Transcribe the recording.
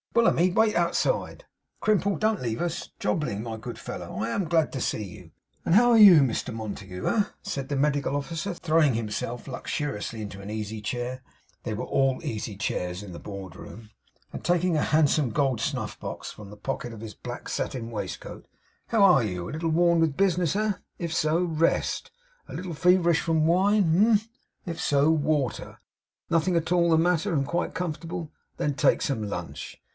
Bullamy, wait outside. Crimple, don't leave us. Jobling, my good fellow, I am glad to see you.' 'And how are you, Mr Montague, eh?' said the Medical Officer, throwing himself luxuriously into an easy chair (they were all easy chairs in the board room), and taking a handsome gold snuff box from the pocket of his black satin waistcoat. 'How are you? A little worn with business, eh? If so, rest. A little feverish from wine, humph? If so, water. Nothing at all the matter, and quite comfortable? Then take some lunch.